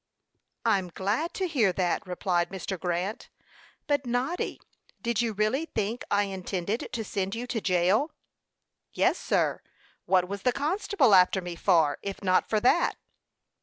"I'm glad to hear that," replied Mr. Grant. "But Noddy, did you really think I intended to send you to jail?" "Yes, sir; what was the constable after me for, if not for that?"